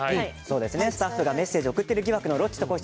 スタッフがメッセージを送っている疑惑の「ロッチと子羊」